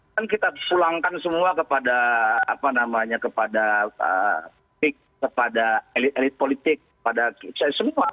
kan kita pulangkan semua kepada apa namanya kepada elit elit politik kepada saya semua